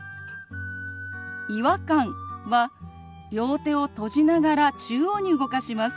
「違和感」は両手を閉じながら中央に動かします。